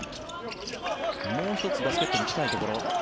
もう１つバスケットに近いところ。